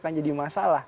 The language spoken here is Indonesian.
itu akan jadi masalah